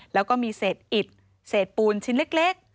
แล้วก็มีเศษอิดเศษปูนชิ้นเล็ก